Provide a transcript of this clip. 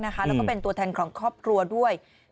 แล้วก็เป็นตัวแทนของครอบครัวด้วย